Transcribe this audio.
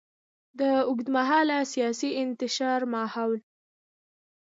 د اوږدمهاله سیاسي انتشار ماحول.